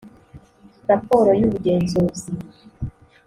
raporo y’ubugenzuzi